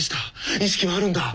意識はあるんだ。